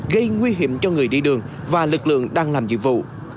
gây nguy hiểm cho người đi đường và lực lượng đang làm nhiệm vụ